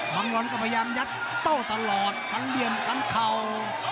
วันลอนก็พยายามยัดโต้ตลอดกันเหลี่ยมกันเข่า